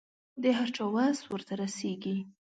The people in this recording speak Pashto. د هر چا وس ورته رسېږي.